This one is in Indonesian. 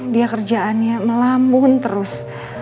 dia kerjaannya melambun terus